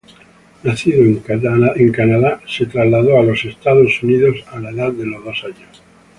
Nacido en Canadá, se trasladó a Estados Unidos a la edad de dos años.